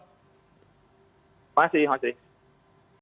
terima kasih mas rief